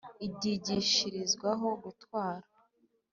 ibyigishirizwaho gutwara